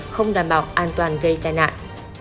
không đảm bảo an toàn gây tai nạn